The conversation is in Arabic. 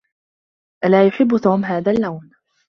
لا يحب توم هذا اللون.